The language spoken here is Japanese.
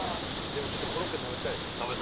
でもちょっとコロッケ食べたいですね。